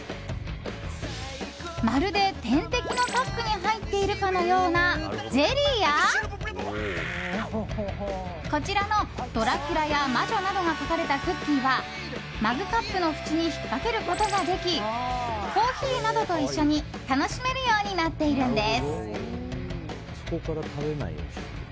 まるで点滴のパックに入っているかのようなゼリーやこちらのドラキュラや魔女などが描かれたクッキーはマグカップの縁に引っ掛けることができコーヒーなどと一緒に楽しめるようになっているんです。